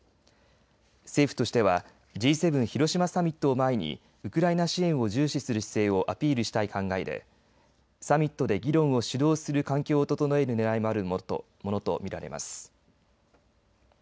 政府としてはＧ７広島サミットを前にウクライナ支援を重視する姿勢をアピールしたい考えでサミットで議論を主導する環境を整えるねらいもあるものと見られます。